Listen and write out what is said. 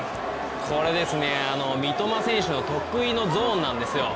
これ、三苫選手の得意のゾーンなんですよ。